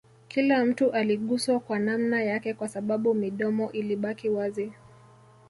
Kila mtu aliguswa kwa namna yake Kwa sababu midomo ilibaki wazi